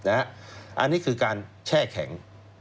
อันนี้คือการแช่แข็ง